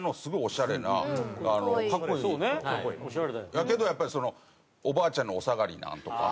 だけどやっぱりその「おばあちゃんのお下がりなん？」とか。